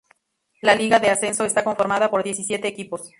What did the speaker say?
La Liga de Ascenso está conformada por diecisiete equipos.